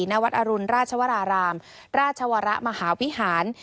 ณวัดอรุณราชวรารามราชวรมหาวิหาร